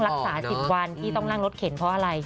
ก็เลยต้องรักษา๑๐วันที่ต้องนั่งรถเข็นเพราะอะไร